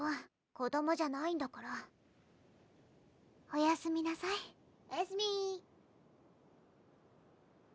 子どもじゃないんだからおやすみなさいおやすみ！